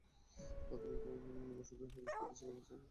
আধুনিক ওষুধের হদিশ পেতে যেখানে যেখানে যাওয়ার দরকার গিয়েছি, পোয়ারো।